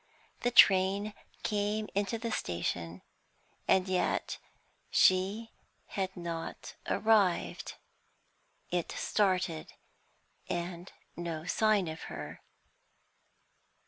The train came into the station, and yet she had not arrived. It started, and no sign of her.